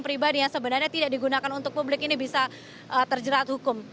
pribadi yang sebenarnya tidak digunakan untuk publik ini bisa terjerat hukum